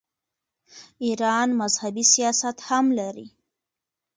ایران مذهبي سیاحت هم لري.